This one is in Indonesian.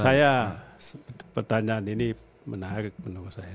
saya pertanyaan ini menarik menurut saya